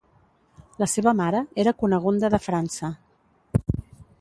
La seva mare era Cunegunda de França.